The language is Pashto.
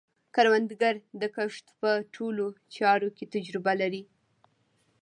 کروندګر د کښت په ټولو چارو کې تجربه لري